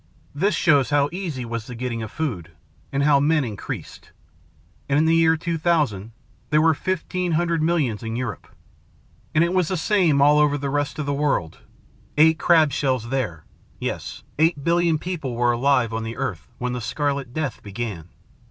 This shows how easy was the getting of food, and how men increased. And in the year 2000 there were fifteen hundred millions in Europe. And it was the same all over the rest of the world. Eight crab shells there, yes, eight billion people were alive on the earth when the Scarlet Death began.